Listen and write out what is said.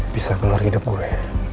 bisa keluar hidup gue